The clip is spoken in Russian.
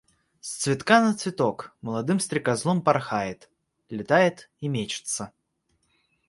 С цветка на цветок молодым стрекозлом порхает, летает и мечется.